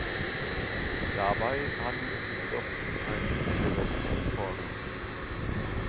Dabei handelt es sich jedoch um einen reversiblen Vorgang.